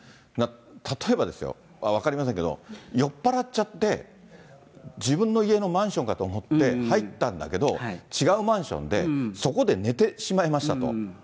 例えばですね、分かりませんけど、酔っ払っちゃって、自分の家のマンションかと思って入ったんだけれども、違うマンションで、そこで寝てしまいましたと。